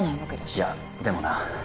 いやでもな